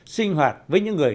sinh hoạt với những người